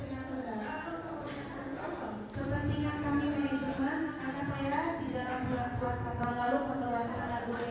kepentingan kami sebagai jepang karena saya di dalam bulan kuartal lalu